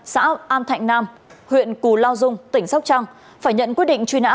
xã an thạnh nam huyện cù lao dung tỉnh sóc trăng phải nhận quyết định truy nã